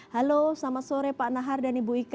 halo selamat sore pak nahar dan ibu ika